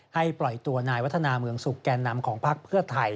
ปล่อยตัวนายวัฒนาเมืองสุขแก่นำของพักเพื่อไทย